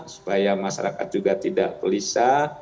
supaya masyarakat juga tidak pelisah